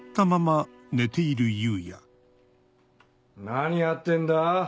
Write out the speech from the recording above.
何やってんだ？